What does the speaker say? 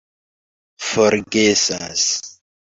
forgesas